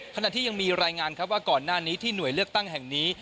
ขณะที่ยังมีรายงานครับว่าก่อนหน้านี้ที่หน่วยเลือกตั้งแห่งนี้